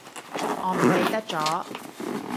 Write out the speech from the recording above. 我唔記得咗